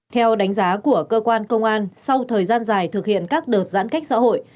theo đánh giá của cơ quan công an sau thời gian dài thực hiện các đợt giãn cách xã hội